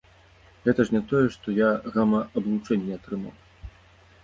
Гэта ж не тое, што я гама-аблучэнне атрымаў.